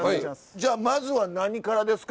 じゃあまずは何からですか？